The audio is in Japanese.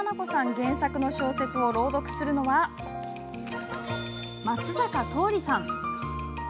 原作の小説を朗読するのは松坂桃李さん。